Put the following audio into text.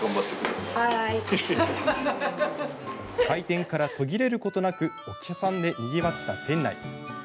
開店から途切れることなくお客さんでにぎわった店内。